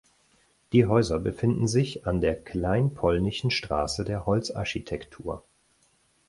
Die Häuser befinden sich an der Kleinpolnischen Straße der Holzarchitektur